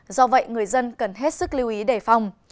do vậy người dân cần hết sức lưu ý đề phòng